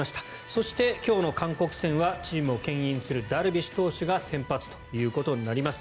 そして、今日の韓国戦はチームをけん引するダルビッシュ投手が先発ということになります。